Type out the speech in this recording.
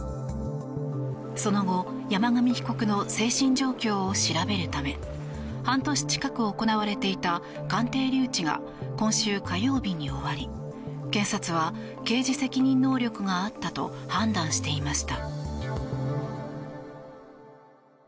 その後、山上被告の精神状況を調べるため半年近く行われていた鑑定留置が今週火曜日に終わり検察は、刑事責任能力があったと判断していました。